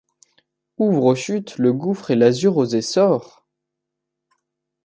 Ouvre aux chutes le gouffre et l’azur aux essors ?